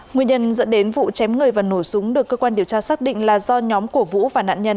nguyên nhân dẫn đến vụ chém người và nổ súng được cơ quan điều tra xác định là do nhóm của vũ và nạn nhân